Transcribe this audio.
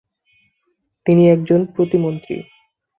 তিনি একজন প্রতিমন্ত্রী।